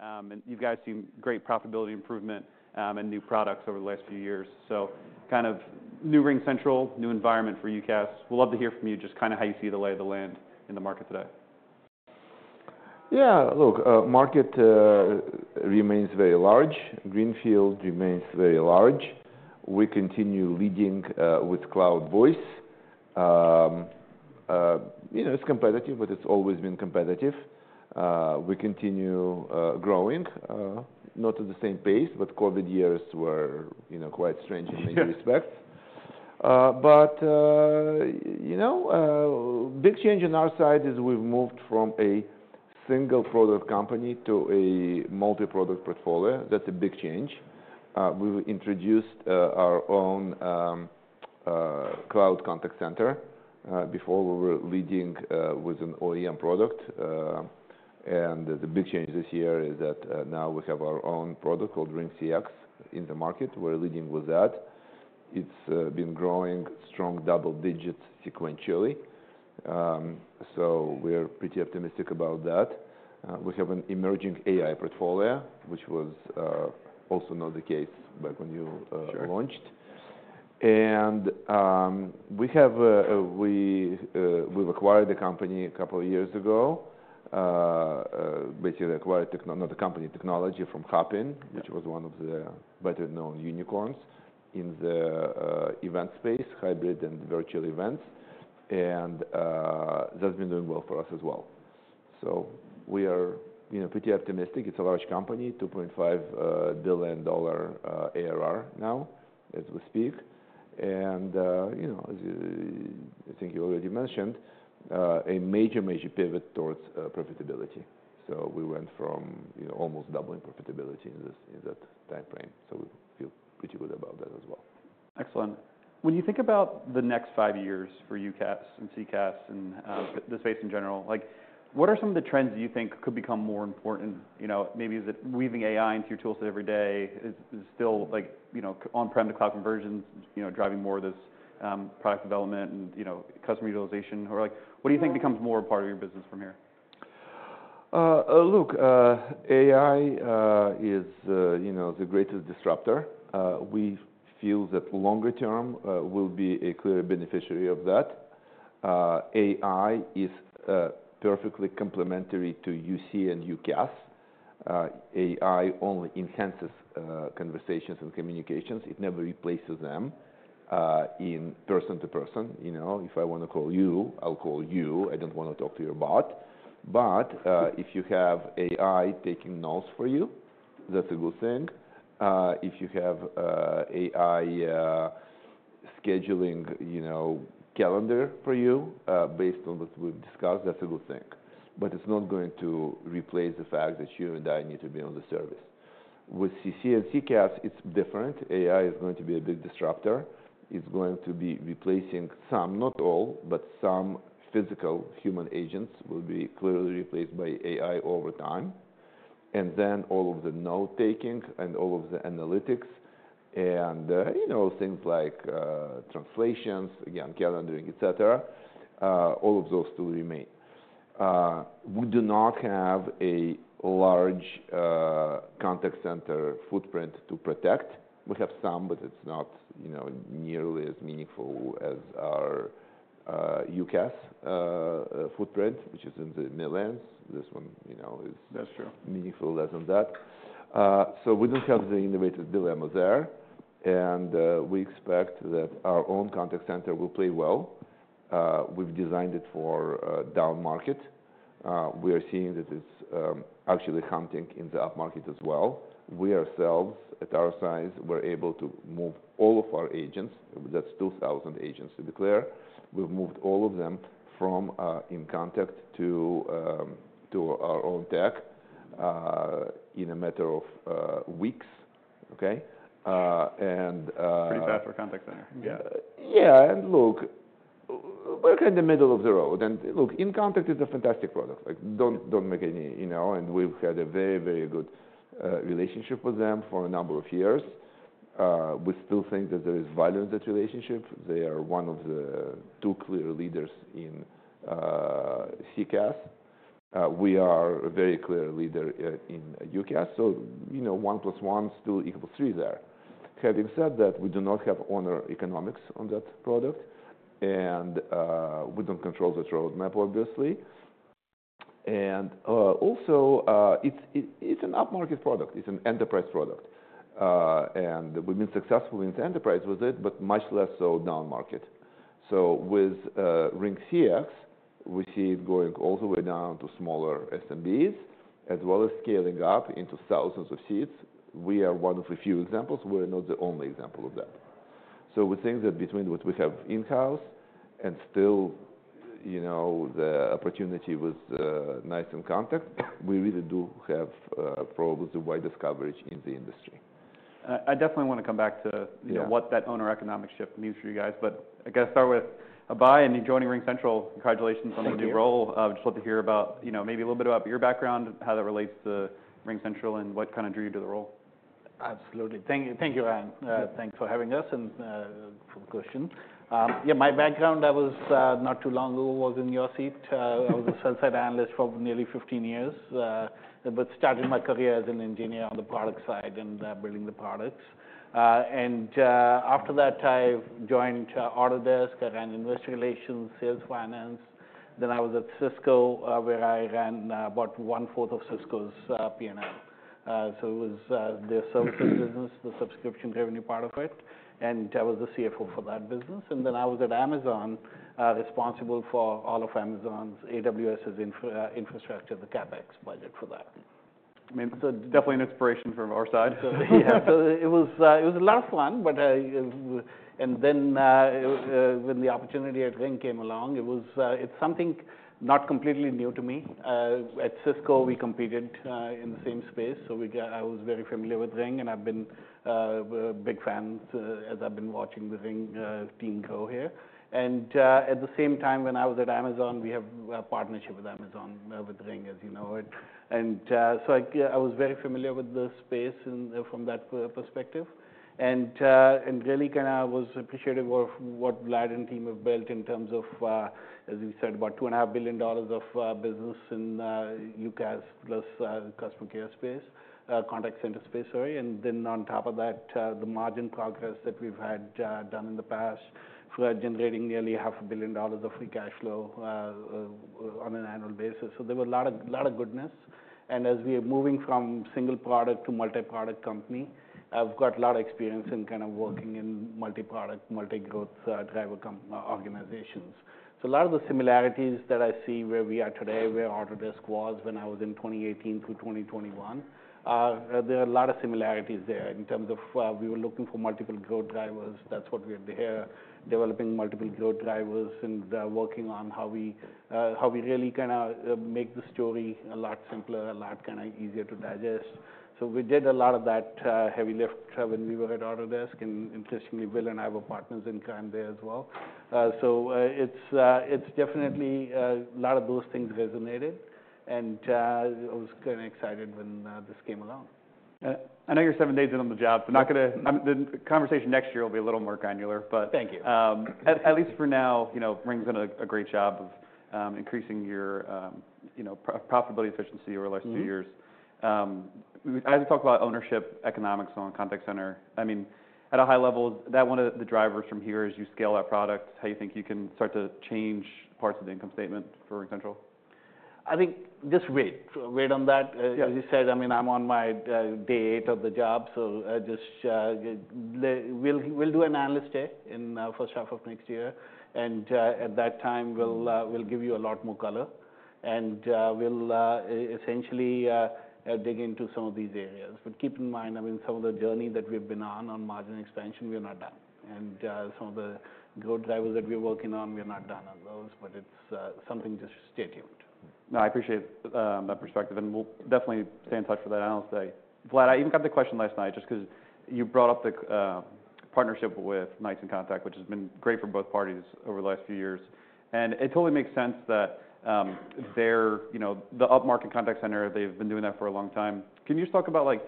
Sure. And you guys see great profitability improvement and new products over the last few years. So, kind of new RingCentral, new environment for UCaaS. We'd love to hear from you just kinda how you see the lay of the land in the market today. Yeah. Look, market remains very large greenfield remains very large. We continue leading with cloud voice. You know, it's competitive, but it's always been competitive. We continue growing, not at the same pace, but COVID years were, you know, quite strange in many respects. Yeah. But, you know, big change on our side is we've moved from a single product company to a multi-product portfolio. That's a big change. We've introduced our own cloud contact center. Before we were leading with an OEM product. And the big change this year is that now we have our own product called RingCX in the market. We're leading with that. It's been growing strong double digits sequentially. So we're pretty optimistic about that. We have an emerging AI portfolio, which was also not the case back when you launched. Sure. We've acquired technology from Hopin, not the company, a couple of years ago. Hopin was one of the better-known unicorns in the event space, hybrid and virtual events. That's been doing well for us as well. We are, you know, pretty optimistic. It's a large company, $2.5 billion ARR now as we speak. You know, as you, I think you already mentioned, a major pivot towards profitability. We went from, you know, almost doubling profitability in that time frame. We feel pretty good about that as well. Excellent. When you think about the next five years for UCaaS and CCaaS and the space in general, like, what are some of the trends that you think could become more important? You know, maybe is it weaving AI into your toolset every day? Is it still, like, you know, on-prem to cloud conversions, you know, driving more of this, product development and, you know, customer utilization? Or, like, what do you think becomes more a part of your business from here? Look, AI is, you know, the greatest disruptor. We feel that longer term, we'll be a clear beneficiary of that. AI is perfectly complementary to UC and UCaaS. AI only enhances conversations and communications. It never replaces them, in person to person. You know, if I wanna call you, I'll call you. I don't wanna talk to your bot. But if you have AI taking notes for you, that's a good thing. If you have AI scheduling, you know, calendar for you, based on what we've discussed, that's a good thing. But it's not going to replace the fact that you and I need to be on the service. With CC and CCaaS, it's different. AI is going to be a big disruptor. It's going to be replacing some, not all, but some physical human agents will be clearly replaced by AI over time. Then all of the note-taking and all of the analytics and, you know, things like translations, again, calendaring, etc., all of those still remain. We do not have a large contact center footprint to protect. We have some, but it's not, you know, nearly as meaningful as our UCaaS footprint, which is in the millions. This one, you know, is. That's true. Meaningfully less than that. So we don't have the innovator's dilemma there. And we expect that our own contact center will play well. We've designed it for down-market. We are seeing that it's actually hunting in the up-market as well. We ourselves, at our size, we're able to move all of our agents. That's 2,000 agents, to be clear. We've moved all of them from inContact to our own tech in a matter of weeks. Okay? And. Pretty fast for contact center. Yeah. Yeah. And look, we're kinda middle of the road. And look, inContact is a fantastic product. Like, don't, don't make any, you know. And we've had a very, very good relationship with them for a number of years. We still think that there is value in that relationship. They are one of the two clear leaders in CCaaS. We are a very clear leader in UCaaS. So, you know, one plus one still equals three there. Having said that, we do not have ownership economics on that product. And we don't control the roadmap, obviously. And also, it's an up market product. It's an enterprise product. And we've been successful in the enterprise with it, but much less so down market. So with RingCX, we see it going all the way down to smaller SMBs as well as scaling up into thousands of seats. We are one of a few examples. We're not the only example of that. So we think that between what we have in-house and still, you know, the opportunity with, NICE inContact, we really do have, probably the widest coverage in the industry. I definitely wanna come back to, you know. Yeah. What that overall economic shift means for you guys. But I gotta start with Abhey and you joining RingCentral. Congratulations on the new role. Thank you. Just love to hear about, you know, maybe a little bit about your background, how that relates to RingCentral, and what kinda drew you to the role. Absolutely. Thank you, thank you, Ryan. Yeah. Thanks for having us and for the question. Yeah, my background. I was, not too long ago, in your seat. I was a sell-side analyst for nearly 15 years, but started my career as an engineer on the product side and building the products. And after that, I joined Autodesk. I ran investor relations, sales finance. Then I was at Cisco, where I ran about one-fourth of Cisco's P&L. So it was their services business, the subscription revenue part of it, and I was the CFO for that business, and then I was at Amazon, responsible for all of Amazon's AWS's infrastructure, the CapEx budget for that. I mean, so definitely an inspiration from our side. So yeah. It was a lot of fun, but then, when the opportunity at Ring came along, it was something not completely new to me. At Cisco, we competed in the same space. I was very familiar with Ring, and I've been a big fan as I've been watching the Ring team grow here. And at the same time, when I was at Amazon, we have a partnership with Amazon with Ring, as you know. So I was very familiar with the space from that perspective. And really kinda was appreciative of what Vlad and team have built in terms of, as we said, about $2.5 billion of business in UCaaS plus customer care space, contact center space, sorry. And then on top of that, the margin progress that we've had done in the past for generating nearly $500 million of free cash flow on an annual basis. So there were a lot of goodness. And as we are moving from single product to multi-product company, I've got a lot of experience in kinda working in multi-product, multi-growth driver companies, organizations. So a lot of the similarities that I see where we are today, where Autodesk was when I was in 2018 through 2021, there are a lot of similarities there in terms of we were looking for multiple growth drivers. That's what we had here, developing multiple growth drivers and working on how we really kinda make the story a lot simpler, a lot kinda easier to digest. We did a lot of that heavy lift when we were at Autodesk. Interestingly, Will and I were partners in crime there as well. It's definitely a lot of those things resonated. I was kinda excited when this came along. I know you're seven days in on the job, so I'm not gonna. The conversation next year will be a little more granular, but. Thank you. At least for now, you know, Ring's done a great job of increasing your, you know, profitability efficiency over the last two years. As we talk about ownership economics on contact center, I mean, at a high level, is that one of the drivers from here as you scale that product, how you think you can start to change parts of the income statement for RingCentral? I think just wait, wait on that. Yeah. As you said, I mean, I'm on my day eight of the job. So just, we'll do an analyst day in first half of next year. And at that time, we'll give you a lot more color. And we'll essentially dig into some of these areas. But keep in mind, I mean, some of the journey that we've been on, on margin expansion, we're not done. And some of the growth drivers that we're working on, we're not done on those. But it's something just to stay tuned. No, I appreciate that perspective. And we'll definitely stay in touch for that analyst day. Vlad, I even got the question last night just 'cause you brought up the partnership with NICE inContact, which has been great for both parties over the last few years. And it totally makes sense that they're you know the upmarket contact center. They've been doing that for a long time. Can you just talk about like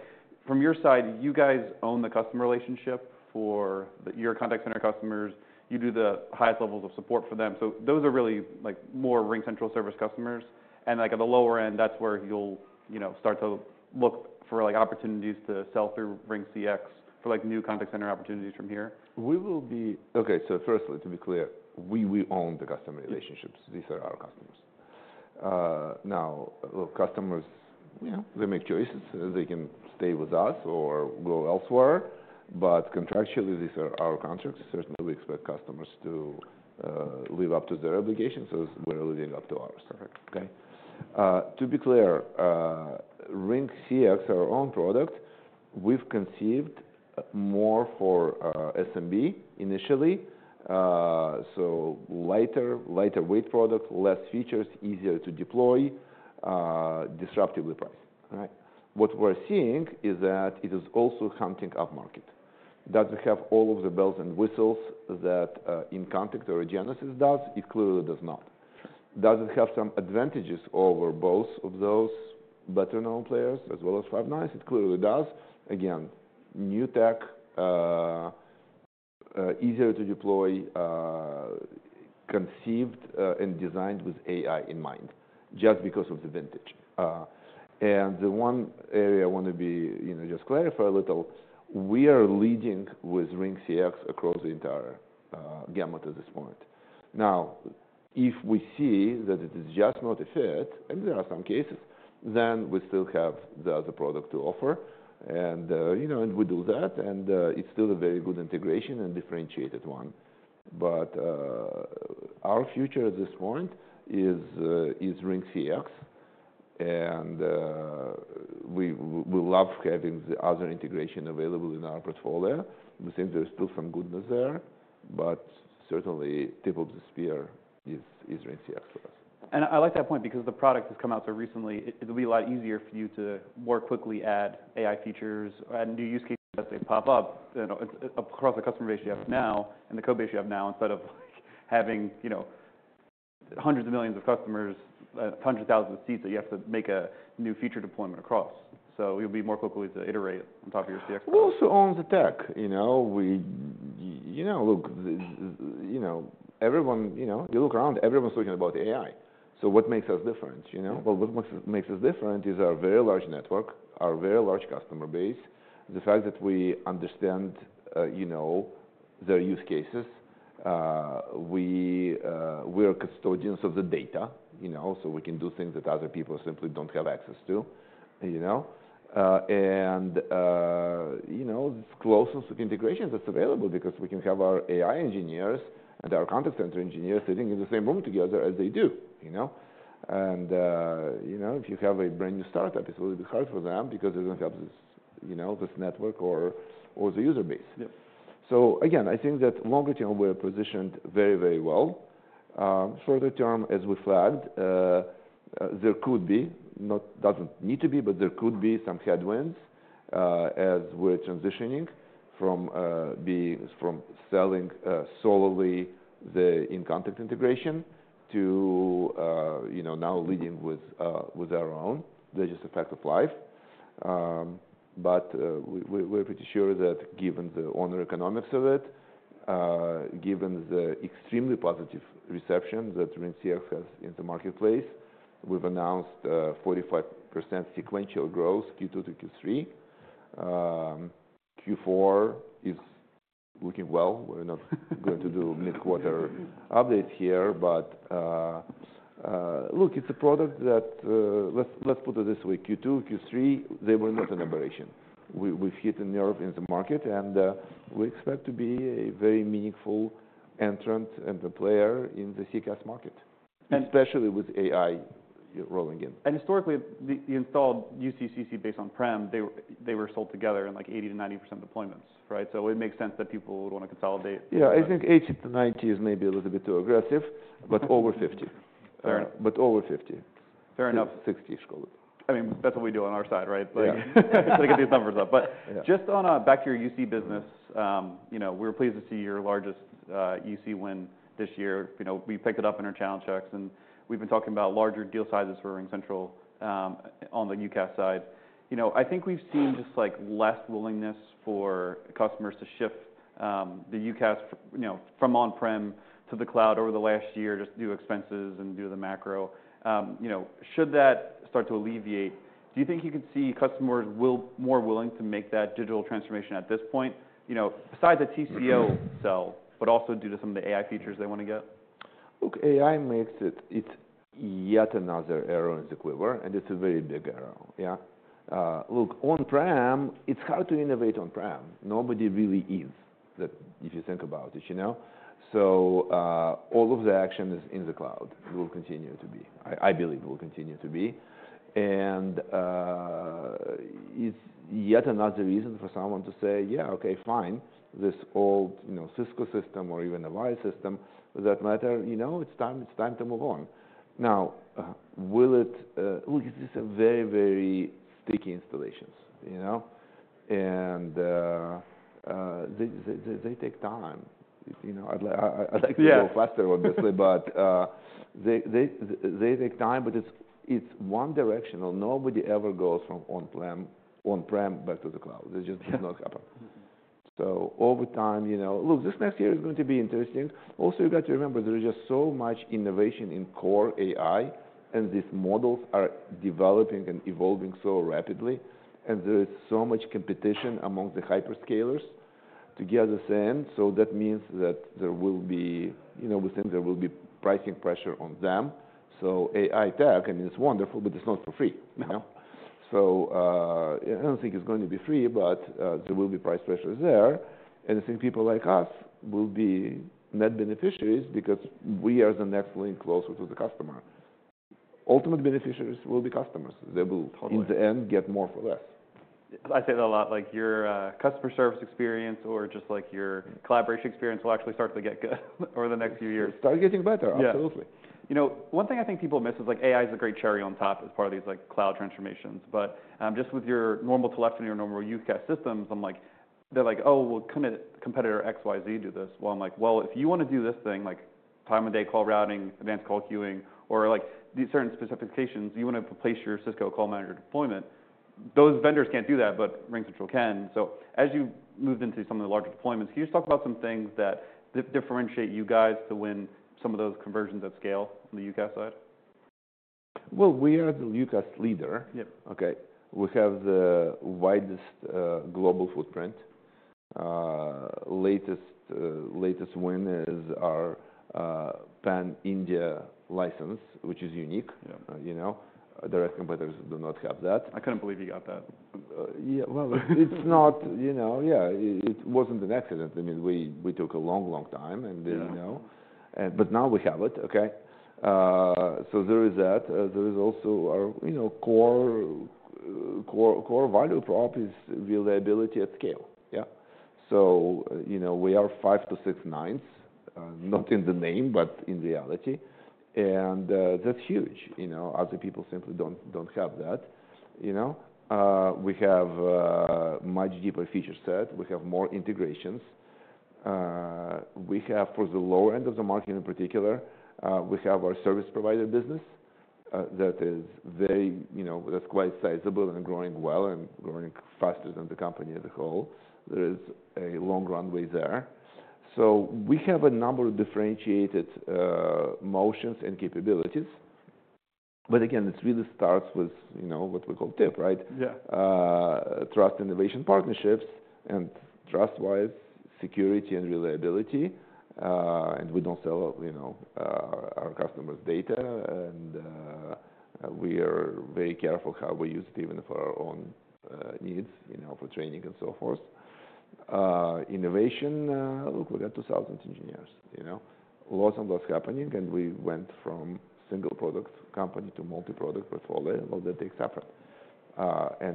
from your side you guys own the customer relationship for your contact center customers. You do the highest levels of support for them. So those are really like more RingCentral service customers. And like at the lower end that's where you'll you know start to look for like opportunities to sell through RingCX for like new contact center opportunities from here. We will be okay. So firstly, to be clear, we own the customer relationships. These are our customers. Now, look, customers, you know, they make choices. They can stay with us or go elsewhere. But contractually, these are our contracts. Certainly, we expect customers to live up to their obligations as we're living up to ours. Perfect. Okay? To be clear, RingCX, our own product, we've conceived more for SMB initially, so lighter, lighter weight product, less features, easier to deploy, disruptively priced. Right. What we're seeing is that it is also hunting up market. Does it have all of the bells and whistles that inContact or Genesys does? It clearly does not. Does it have some advantages over both of those better-known players as well as Five9? It clearly does. Again, new tech, easier to deploy, conceived, and designed with AI in mind just because of the vintage. And the one area I wanna be, you know, just clarify a little, we are leading with RingCX across the entire gamut at this point. Now, if we see that it is just not a fit, and there are some cases, then we still have the other product to offer. And, you know, and we do that. And, it's still a very good integration and differentiated one. But, our future at this point is RingCX. We love having the other integration available in our portfolio. We think there's still some goodness there. But certainly, tip of the spear is RingCX for us. I like that point because the product has come out so recently. It'll be a lot easier for you to more quickly add AI features or add new use cases as they pop up, you know, across the customer base you have now and the code base you have now instead of, like, having, you know, hundreds of millions of customers, hundreds of thousands of seats that you have to make a new feature deployment across. So you'll be more quickly to iterate on top of your CX. We also own the tech, you know. We, you know, look, you know, everyone, you know, you look around, everyone's talking about AI. So what makes us different, you know? What makes us different is our very large network, our very large customer base, the fact that we understand, you know, their use cases. We are custodians of the data, you know, so we can do things that other people simply don't have access to, you know. You know, it's closest integration that's available because we can have our AI engineers and our contact center engineers sitting in the same room together as they do, you know. You know, if you have a brand new startup, it's a little bit hard for them because they don't have this, you know, this network or the user base. Yeah. So again, I think that longer term, we're positioned very, very well. Shorter term, as we flagged, there could be not, doesn't need to be, but there could be some headwinds, as we're transitioning from selling solely the inContact integration to, you know, now leading with our own. They're just a fact of life, but we, we're pretty sure that given the own economics of it, given the extremely positive reception that RingCX has in the marketplace, we've announced 45% sequential growth Q2 to Q3. Q4 is looking well. We're not going to do mid-quarter updates here. But look, it's a product that, let's put it this way. Q2, Q3, they were not an aberration. We, we've hit a nerve in the market. And we expect to be a very meaningful entrant and a player in the CCaaS market, especially with AI rolling in. And historically, the installed UCaaS based on prem, they were sold together in, like, 80%-90% deployments, right? So it makes sense that people would wanna consolidate. Yeah. I think 80-90 is maybe a little bit too aggressive, but over 50. Fair enough. But over 50. Fair enough. 60, Scott. I mean, that's what we do on our side, right? Like. Yeah. To get these numbers up. But just on back to your UC business, you know, we were pleased to see your largest UC win this year. You know, we picked it up in our channel checks, and we've been talking about larger deal sizes for RingCentral on the UCaaS side. You know, I think we've seen just like less willingness for customers to shift the UCaaS, you know, from on-prem to the cloud over the last year just due to expenses and due to the macro. You know, should that start to alleviate, do you think you could see customers will more willing to make that digital transformation at this point, you know, besides the TCO sell, but also due to some of the AI features they wanna get? Look, AI makes it yet another arrow in the quiver, and it's a very big arrow, yeah. Look, on-prem, it's hard to innovate on-prem. Nobody really is that if you think about it, you know. So, all of the action is in the cloud. It will continue to be. I believe it will continue to be. And, it's yet another reason for someone to say, "Yeah, okay, fine, this old, you know, Cisco system or even an Avaya system, does that matter?" You know, it's time, it's time to move on. Now, will it, look, this is a very, very sticky installations, you know. And, they take time. You know, I'd like to go faster, obviously, but, they take time, but it's one directional. Nobody ever goes from on-prem back to the cloud. It just does not happen. So over time, you know, look, this next year is going to be interesting. Also, you've got to remember, there is just so much innovation in core AI, and these models are developing and evolving so rapidly. And there is so much competition among the hyperscalers to get this in. So that means that there will be, you know, we think there will be pricing pressure on them. So AI tech, I mean, it's wonderful, but it's not for free, you know. So, I don't think it's going to be free, but, there will be price pressures there. And I think people like us will be net beneficiaries because we are the next link closer to the customer. Ultimate beneficiaries will be customers. They will. Totally. In the end, get more for less. I say that a lot. Like, your customer service experience or just, like, your collaboration experience will actually start to get good over the next few years. It's starting to get better. Yeah. Absolutely. You know, one thing I think people miss is, like, AI is a great cherry on top as part of these, like, cloud transformations. But, just with your normal telephony or normal UCaaS systems, I'm like, they're like, "Oh, will competitor X, Y, Z do this?" Well, I'm like, "Well, if you wanna do this thing, like time-of-day call routing, advanced call queuing, or, like, these certain specifications, you wanna place your Cisco CallManager deployment, those vendors can't do that, but RingCentral can." So as you moved into some of the larger deployments, can you just talk about some things that differentiate you guys to win some of those conversions at scale on the UCaaS side? We are the UCaaS leader. Yep. Okay? We have the widest global footprint. Latest, latest win is our pan-India license, which is unique. Yeah. You know? Direct competitors do not have that. I couldn't believe you got that. Yeah, well, it's not, you know, yeah, it wasn't an accident. I mean, we took a long, long time, and then, you know. Yeah. But now we have it, okay? So there is that. There is also our, you know, core value prop is reliability at scale, yeah? So, you know, we are five to six nines, not in the name, but in reality. And, that's huge, you know. Other people simply don't have that, you know. We have much deeper feature set. We have more integrations. We have, for the lower end of the market in particular, we have our service provider business, that is very, you know, that's quite sizable and growing well and growing faster than the company as a whole. There is a long runway there. So we have a number of differentiated motions and capabilities. But again, it really starts with, you know, what we call TIP, right? Yeah. Trust, innovation, partnerships, and trust-wise, security and reliability. We don't sell, you know, our customers' data. We are very careful how we use it even for our own needs, you know, for training and so forth. Innovation. Look, we got 2,000 engineers, you know. Lots and lots happening. We went from single product company to multi-product portfolio. All that takes effort.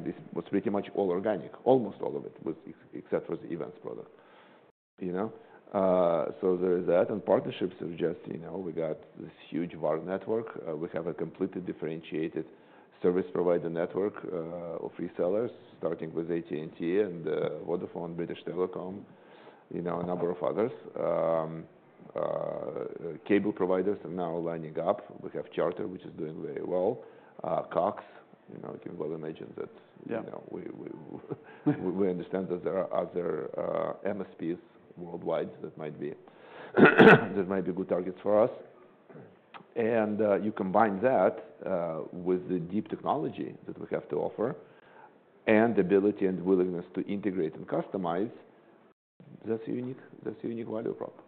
This was pretty much all organic, almost all of it was except for the events product, you know. So there is that. Partnerships are just, you know, we got this huge VAR network. We have a completely differentiated service provider network of resellers, starting with AT&T and Vodafone, British Telecom, you know, a number of others. Cable providers are now lining up. We have Charter, which is doing very well. Cox, you know, you can well imagine that. Yeah. You know, we understand that there are other MSPs worldwide that might be good targets for us, and you combine that with the deep technology that we have to offer and the ability and willingness to integrate and customize. That's a unique value prop.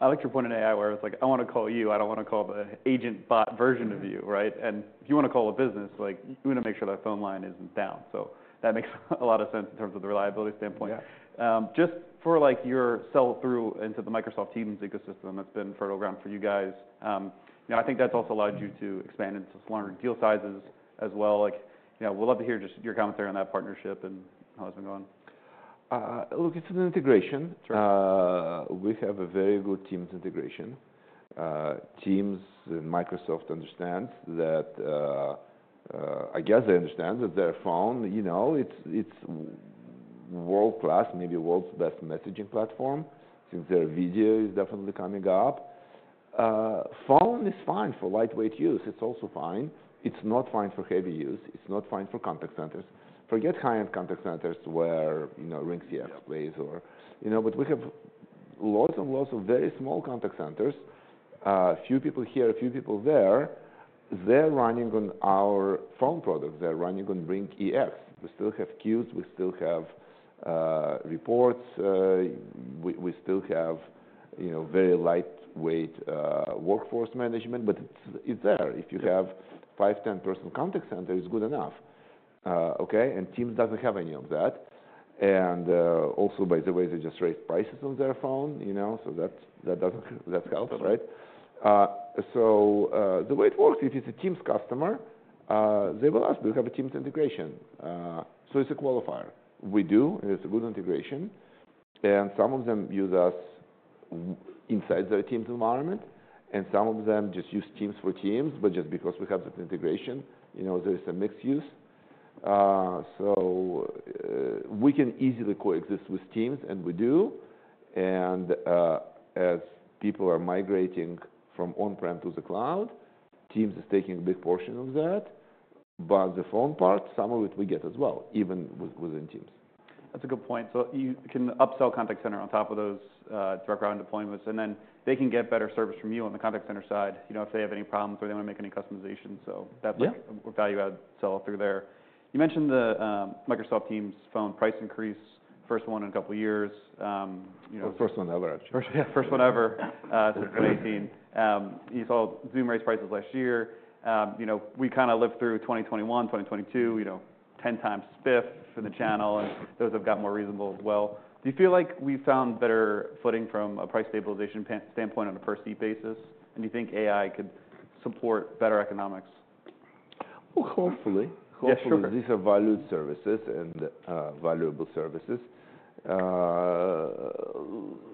I like your point on AI where it's like, "I wanna call you. I don't wanna call the agent bot version of you," right? And if you wanna call a business, like, you wanna make sure that phone line isn't down. So that makes a lot of sense in terms of the reliability standpoint. Yeah. Just for, like, your sell-through into the Microsoft Teams ecosystem that's been fertile ground for you guys, you know, I think that's also allowed you to expand into some larger deal sizes as well. Like, you know, we'd love to hear just your commentary on that partnership and how it's been going. Look, it's an integration. Sure. We have a very good Teams integration. Teams and Microsoft understands that, I guess they understand that their phone, you know, it's world-class, maybe world's best messaging platform since their video is definitely coming up. Phone is fine for lightweight use. It's also fine. It's not fine for heavy use. It's not fine for contact centers. Forget high-end contact centers where, you know, RingCX plays or, you know, but we have lots and lots of very small contact centers, few people here, a few people there. They're running on our phone products. They're running on RingEX. We still have queues. We still have reports. We still have, you know, very lightweight workforce management, but it's there. If you have five, 10-person contact center, it's good enough, okay? And Teams doesn't have any of that. Also, by the way, they just raised prices on their phone, you know, so that, that doesn't, that helps, right? Sure. So, the way it works, if it's a Teams customer, they will ask, "Do you have a Teams integration?" So it's a qualifier. We do. It's a good integration. And some of them use us inside their Teams environment, and some of them just use Teams for Teams. But just because we have that integration, you know, there is a mixed use. So, we can easily coexist with Teams, and we do. And, as people are migrating from on-prem to the cloud, Teams is taking a big portion of that. But the phone part, some of it we get as well, even within Teams. That's a good point. So you can upsell contact center on top of those direct cloud deployments. And then they can get better service from you on the contact center side, you know, if they have any problems or they wanna make any customizations. So that's like. Yeah. A value-add sell through there. You mentioned the Microsoft Teams Phone price increase, first one in a couple of years, you know. The first one ever, actually. First one ever, since 2018. You saw Zoom raised prices last year. You know, we kinda lived through 2021, 2022, you know, 10 times spiff for the channel, and those have gotten more reasonable as well. Do you feel like we've found better footing from a price stabilization standpoint on a per-seat basis? And do you think AI could support better economics? Well, hopefully. Hopefully. Yeah, sure. These are valued services and, valuable services.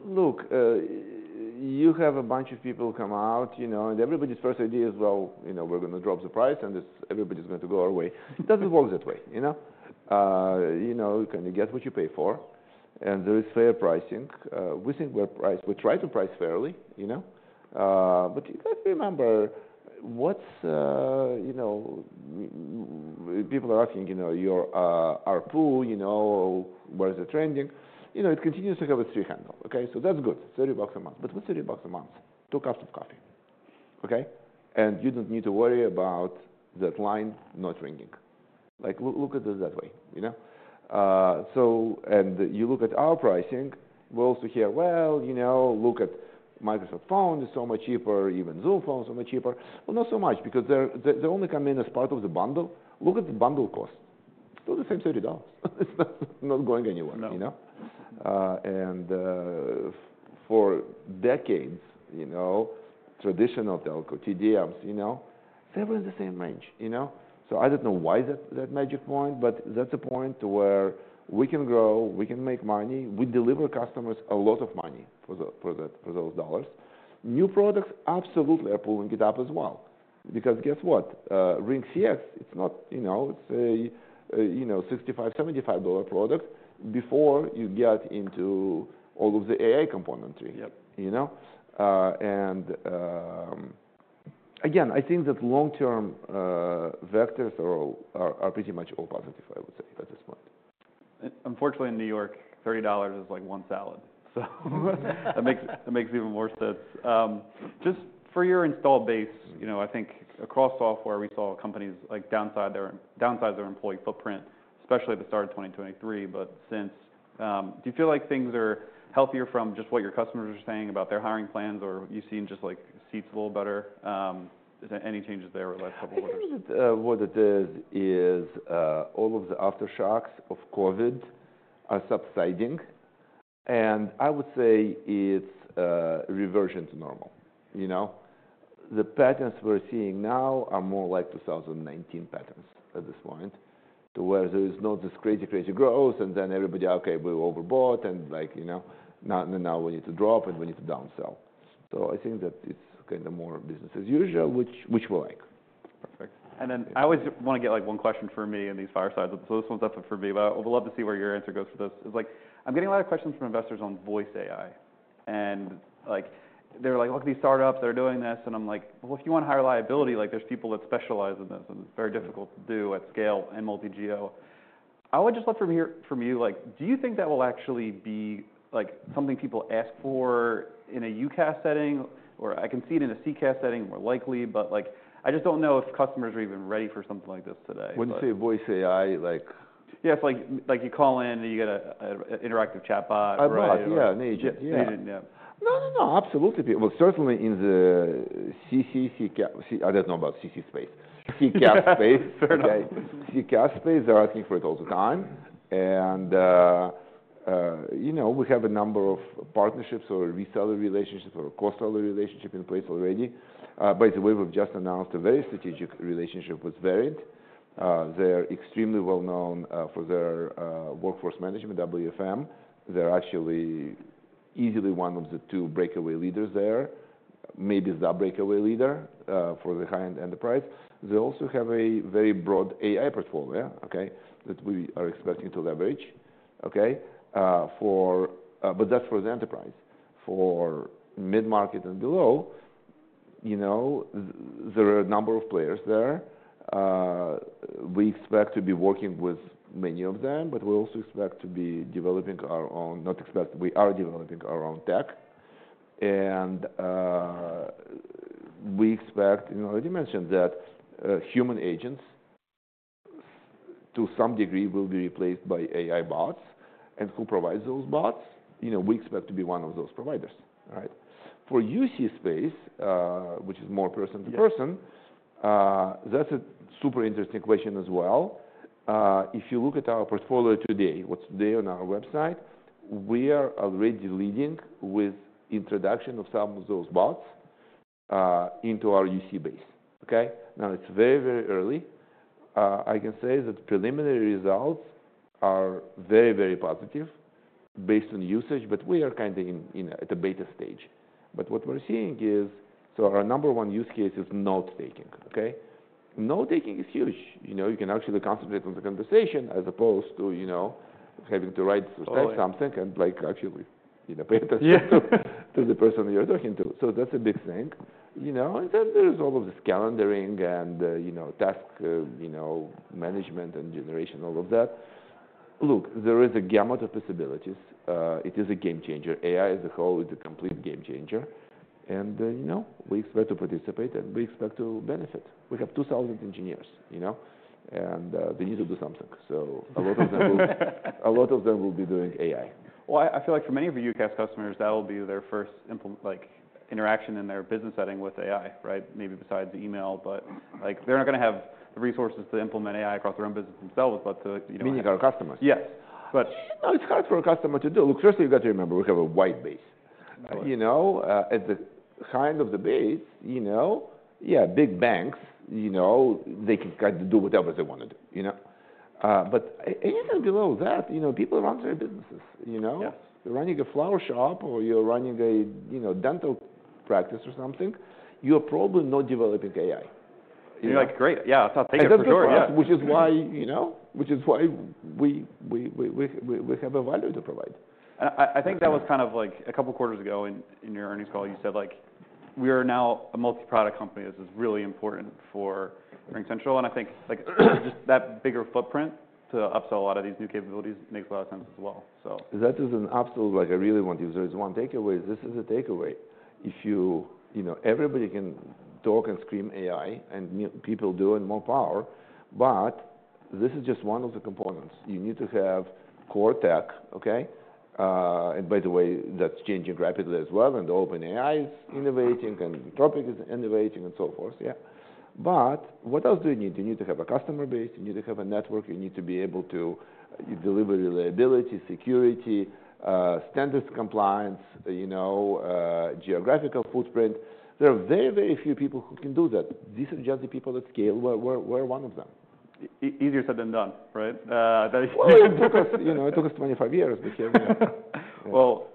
Look, you have a bunch of people come out, you know, and everybody's first idea is, "Well, you know, we're gonna drop the price, and this everybody's gonna go our way." It doesn't work that way, you know? You know, you kinda get what you pay for. And there is fair pricing. We think we're priced, we try to price fairly, you know? But you gotta remember what's, you know, people are asking, you know, "Your, our pool, you know, where is it trending?" You know, it continues to have a three-handle, okay? So that's good, $30 a month. But what's $30 a month? Two cups of coffee, okay? And you don't need to worry about that line not ringing. Like, look at it that way, you know? And you look at our pricing. We also hear, "Well, you know, look at Microsoft Teams. It's so much cheaper. Even Zoom Phone is so much cheaper." Well, not so much because they only come in as part of the bundle. Look at the bundle cost. Still the same $30. It's not going anywhere, you know. No. For decades, you know, traditional telco, TDMs, you know, they were in the same range, you know. So I don't know why that magic point, but that's a point to where we can grow, we can make money, we deliver customers a lot of money for those dollars. New products absolutely are pulling it up as well because guess what? RingCX, it's not, you know, it's a, you know, $65-$75 product before you get into all of the AI componentry. Yep. You know? And, again, I think that long-term, vectors are pretty much all positive, I would say, at this point. Unfortunately, in New York, $30 is like one salad, so that makes even more sense. Just for your installed base, you know, I think across software, we saw companies, like, downsize their employee footprint, especially at the start of 2023. But since, do you feel like things are healthier from just what your customers are saying about their hiring plans or you've seen just, like, seats a little better? Is there any changes there over the last couple of weeks? I think that what it is is all of the aftershocks of COVID are subsiding, and I would say it's reversion to normal, you know. The patterns we're seeing now are more like 2019 patterns at this point to where there is not this crazy, crazy growth, and then everybody, "Okay, we overbought," and like, you know, "Now, now we need to drop, and we need to downsell," so I think that it's kinda more business as usual, which we like. Perfect. And then I always wanna get, like, one question for me in these firesides. So this one's up for me, but I would love to see where your answer goes for this. It's like, I'm getting a lot of questions from investors on voice AI. And, like, they're like, "Look, these startups, they're doing this." And I'm like, "Well, if you wanna high reliability, like, there's people that specialize in this, and it's very difficult to do at scale and multi-geo." I would just love from here, from you, like, do you think that will actually be, like, something people ask for in a UCaaS setting? Or I can see it in a CCaaS setting more likely, but, like, I just don't know if customers are even ready for something like this today, so. When you say voice AI, like. Yeah, it's like you call in, and you get an interactive chatbot. I'd like it. Or an agent. Yeah. An agent, yeah. No, no, no, absolutely. Well, certainly in the CCaaS space. I don't know about the CC space. Fair enough. Okay? CCaaS space, they're asking for it all the time. And, you know, we have a number of partnerships or reseller relationships or cross-seller relationship in place already. By the way, we've just announced a very strategic relationship with Verint. They're extremely well-known for their workforce management, WFM. They're actually easily one of the two breakaway leaders there, maybe the breakaway leader, for the high-end enterprise. They also have a very broad AI portfolio, okay, that we are expecting to leverage, okay, for, but that's for the enterprise. For mid-market and below, you know, there are a number of players there. We expect to be working with many of them, but we also expect to be developing our own, not expect, we are developing our own tech. And, we expect, you know, as you mentioned, that, human agents to some degree will be replaced by AI bots. And who provides those bots? You know, we expect to be one of those providers, right? For UC space, which is more person to person, that's a super interesting question as well. If you look at our portfolio today, what's today on our website, we are already leading with introduction of some of those bots, into our UC base, okay? Now, it's very, very early. I can say that preliminary results are very, very positive based on usage, but we are kinda in at a beta stage. But what we're seeing is, so our number one use case is note-taking, okay? Note-taking is huge. You know, you can actually concentrate on the conversation as opposed to, you know, having to write or type something and, like, actually, you know, pay attention to, to the person you're talking to. So that's a big thing, you know? And then there's all of this calendaring and, you know, task, you know, management and generation, all of that. Look, there is a gamut of possibilities. It is a game changer. AI as a whole is a complete game changer. And, you know, we expect to participate, and we expect to benefit. We have 2,000 engineers, you know, and they need to do something, so a lot of them will, a lot of them will be doing AI. I feel like for many of your UCaaS customers, that'll be their first implementation, like, interaction in their business setting with AI, right? Maybe besides email, but, like, they're not gonna have the resources to implement AI across their own business themselves, but to, you know. Meaning our customers? Yes. But. No, it's hard for a customer to do. Look, first, you've got to remember we have a wide base. Right. You know, at the high end of the base, you know, yeah, big banks, you know, they can kinda do whatever they wanna do, you know. But anything below that, you know, people run their businesses, you know. Yes. You're running a flower shop, or you're running a, you know, dental practice or something, you are probably not developing AI. You're like, "Great. Yeah, I'll tell Tegus to join us. And that's the first, which is why, you know, which is why we have a value to provide. I think that was kind of like a couple quarters ago in your earnings call. You said, like, "We are now a multi-product company. This is really important for RingCentral." I think, like, just that bigger footprint to upsell a lot of these new capabilities makes a lot of sense as well, so. That is an absolute, like, I really want to use. There is one takeaway. This is a takeaway. If you, you know, everybody can talk and scream AI, and people do it more powerfully, but this is just one of the components. You need to have core tech, okay? And by the way, that's changing rapidly as well. And OpenAI is innovating, and Anthropic is innovating, and so forth, yeah. But what else do you need? You need to have a customer base. You need to have a network. You need to be able to deliver reliability, security, standards compliance, you know, geographical footprint. There are very, very few people who can do that. These are just the people at scale. We're, we're, we're one of them. Easier said than done, right? That is. Because, you know, it took us 25 years because. Well,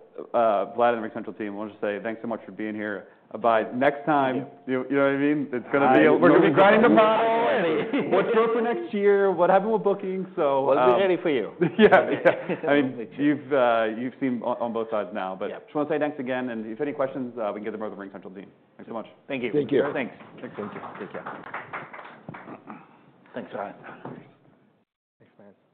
Vlad and RingCentral team, we'll just say thanks so much for being here. Bye. Next time. Yep. You know what I mean? It's gonna be. We're gonna be grinding the power and. What's up for next year? What happened with bookings? We'll be ready for you. Yeah. I mean, you've seen on both sides now, but. Yeah. Just wanna say thanks again, and if any questions, we can get them out of the RingCentral team. Thanks so much. Thank you. Thank you. Thank you. Thanks. Thank you. Thank you.